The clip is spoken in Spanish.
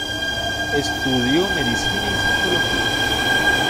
Estudió medicina y psicología.